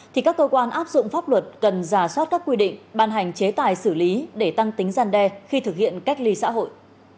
thì các cơ quan áp dụng pháp luật cần giả soát các quy định ban hành chế tài xử lý để tăng tính gian đe khi thực hiện cách ly xã hội